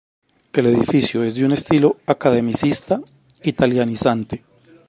El edificio es de un estilo academicista italianizante.